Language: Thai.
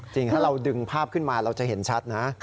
จริงถ้าเราดึงภาพขึ้นมาเราจะเห็นชัดนะ